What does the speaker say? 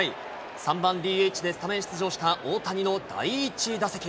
３番ＤＨでスタメン出場した大谷の第１打席。